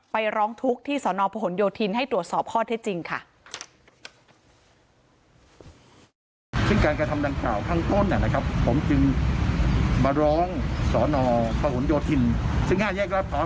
ร้องทุกข์ที่สนพหนโยธินให้ตรวจสอบข้อเท็จจริงค่ะ